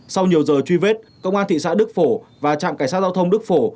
sau nhiều giờ truy vết công an thị xã đức phổ và trạm cảnh sát giao thông đức phổ